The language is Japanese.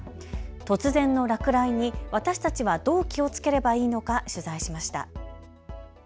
突然の落雷に私たちはどう気をつければいいのか取材しました。